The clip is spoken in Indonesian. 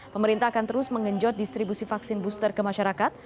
pemerintah akan terus mengenjot distribusi vaksin booster ke masyarakat